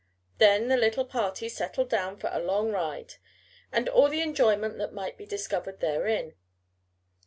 Then the little party settled down for a long ride and all the enjoyment that might be discovered therein.